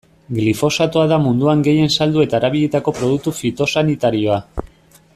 Glifosatoa da munduan gehien saldu eta erabilitako produktu fitosanitarioa.